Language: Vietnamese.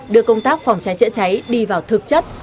đưa công tác phòng cháy chữa cháy đi vào thực chất